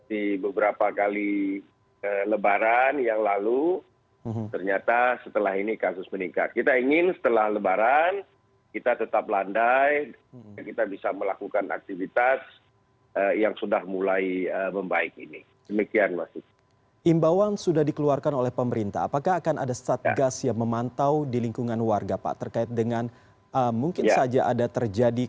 hai imba uang sudah dikeluarkan oleh pemerintah apakah akan ada strategis yang memantau di lingkungan warga pak terkait dengan mungkin saja ada terjadi kerumunan lebih dari seratus orang untuk melakukan neighbor floats seperti kemudian sejak bulan ini saya ingin mengucapkan hai tentang memiliki kabin umumnya dimulaikan di sejenis uang anggaran jam lima interpreter